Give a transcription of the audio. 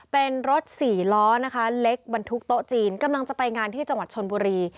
เป็นรถสี่ล้อนะคะเล็กบรรทุกโต๊ะจีนกำลังจะไปงานที่จังหวัดชนบุรี